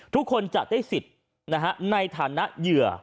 ทุกคนจะได้สิทธิ์ในฐานะเหยื่อ